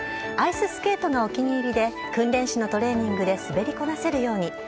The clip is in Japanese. アイススケートがお気に入りで、訓練士のトレーニングで滑りこなせるように。